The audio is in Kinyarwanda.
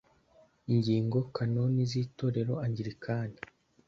Ingingo Kanoni z Itorero Angilikani